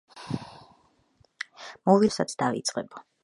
მოვილხენ, გავიხარებ, და ხარჯვასაც დავიწყებო!